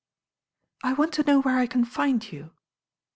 "I want to know where I can find you?"